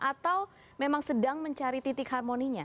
atau memang sedang mencari titik harmoninya